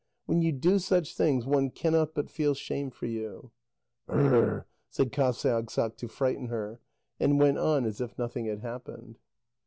When you do such things, one cannot but feel shame for you." "Hrrrr!" said Qasiagssaq, to frighten her, and went on as if nothing had happened.